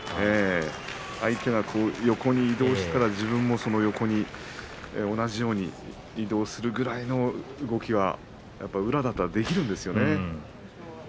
相手が横に移動したら自分もその横に同じように移動するぐらいの動きはやっぱり宇良だったらできるんですよね。